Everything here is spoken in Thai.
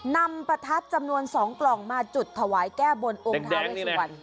ประทัดจำนวน๒กล่องมาจุดถวายแก้บนองค์ทาเวสวรรณ